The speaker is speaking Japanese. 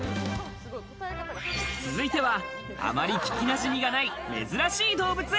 続いては、あまり聞きなじみがない珍しい動物。